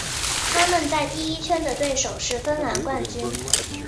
他们在第一圈的对手是芬兰冠军。